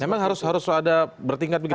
memang harus ada bertingkat begitu